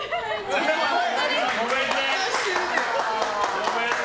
ごめんね。